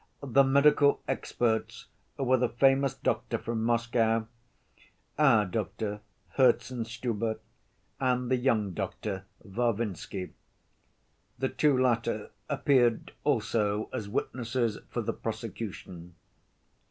The medical experts were the famous doctor from Moscow, our doctor, Herzenstube, and the young doctor, Varvinsky. The two latter appeared also as witnesses for the prosecution.